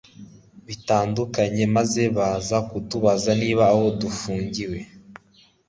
bitandukanye maze baza kutubaza niba aho dufungiwe